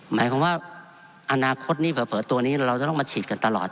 หมายความว่าอนาคตนี้เผลอตัวนี้เราจะต้องมาฉีดกันตลอด